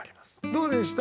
どうでした？